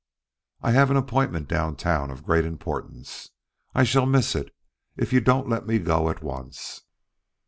I have an appointment downtown of great importance. I shall miss it if you don't let me go at once."